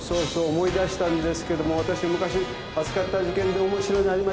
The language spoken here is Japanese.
思い出したんですけどもわたし昔扱った事件で面白いのありましてね。